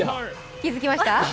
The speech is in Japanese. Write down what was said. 気づきました？